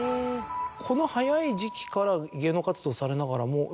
この早い時期から芸能活動されながらも。